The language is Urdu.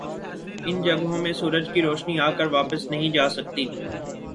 ان جگہوں میں سورج کی روشنی آکر واپس نہیں جاسکتی ۔